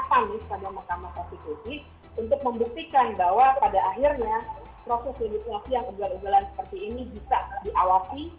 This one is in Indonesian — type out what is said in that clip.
proses legislasi yang ugal ugalan seperti ini bisa diawasi